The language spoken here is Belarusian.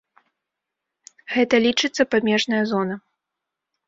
Гэта лічыцца памежная зона.